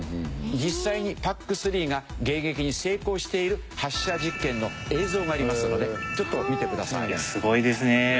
実際にＰＡＣ３が迎撃に成功している発射実験の映像がありますのでちょっと見てください。